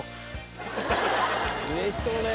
うれしそうね！